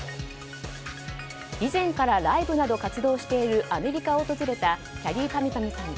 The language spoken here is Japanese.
以前からライブなど活動をしているアメリカを訪れたきゃりーぱみゅぱみゅさん。